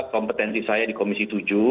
kompetensi saya di komisi tujuh